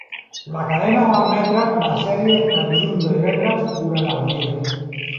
La cadena va emetre la sèrie de dilluns a divendres durant el dia.